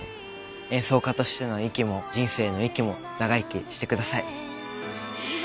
演奏家としての息も人生の息も長生きしてください。